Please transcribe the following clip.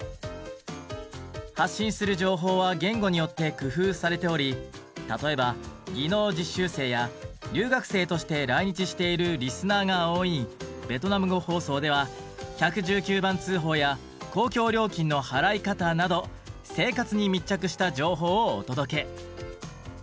発信する情報は言語によって工夫されており例えば技能実習生や留学生として来日しているリスナーが多いベトナム語放送ではなど生活に密着した情報をお届け。